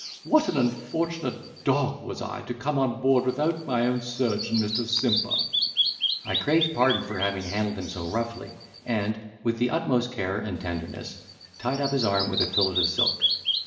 What an unfortunate dog was I to come on board without my own surgeon, Mr. Simper." I craved pardon for having handled him so roughly, and, with the utmost care, and tenderness, tied up his arm with a fillet of silk.